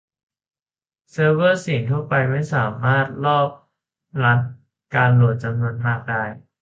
เซิร์ฟเวอร์เสียงทั่วไปไม่สามารถรอบรับการโหลดจำนวนมากได้